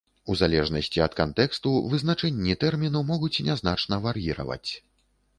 У залежнасці ад кантэксту вызначэнні тэрміну могуць нязначна вар'іраваць.